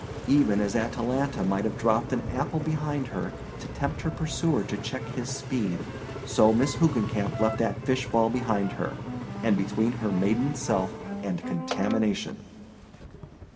Even as Atalanta might have dropped an apple behind her to tempt her pursuer to check his speed, so Miss Hoogencamp left that fish ball behind her, and between her maiden self and contamination.